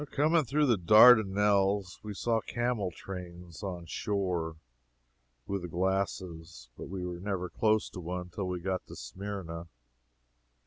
Coming through the Dardanelles, we saw camel trains on shore with the glasses, but we were never close to one till we got to Smyrna.